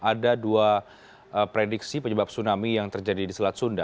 ada dua prediksi penyebab tsunami yang terjadi di selat sunda